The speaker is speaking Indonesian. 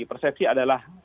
persepsi adalah pengalaman